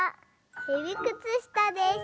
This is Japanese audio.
へびくつしたです。